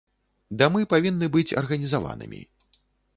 Дамы павінны быць арганізаванымі.